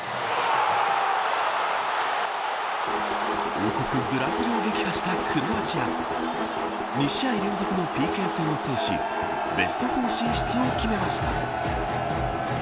王国ブラジルを撃破したクロアチア２試合連続のＰＫ戦を制しベスト４進出を決めました。